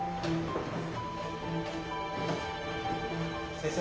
先生